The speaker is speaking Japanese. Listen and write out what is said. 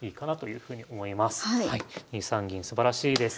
２三銀すばらしいです。